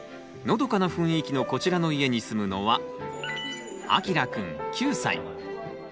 のどかな雰囲気のこちらの家に住むのは。